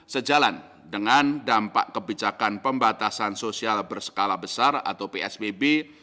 sejalan dengan dampak kebijakan pembatasan sosial berskala besar atau psbb